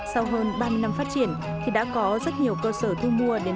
sẽ có thể tìm đến